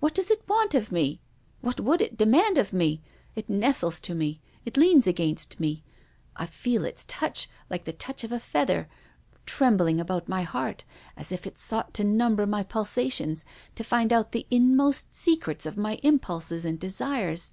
What does it want of me? What would it demand of me? It nestles to me. It leans against me. I feel its touch, like the touch of a feather, trembling about my heart, as if it sought to number my pulsations, to find out the inmost secrets of my impulses and desires.